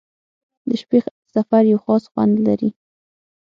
• د شپې سفر یو خاص خوند لري.